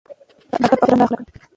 د ادب او احترام لار خپله کړي.